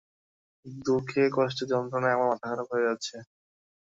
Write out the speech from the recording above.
দুঃখে কষ্টে যন্ত্রণায় আমার মাথাখারাপ হয়ে যাচ্ছে।